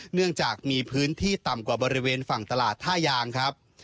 เนื่องจากมีพื้นที่ต่ำกว่าบริเวณฝั่งตลาดท่ายางครับ